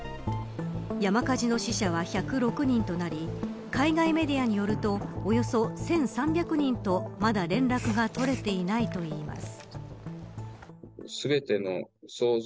山火事の死者は１０６人となり海外メディアによるとおよそ１３００人とまだ連絡が取れていないといいます。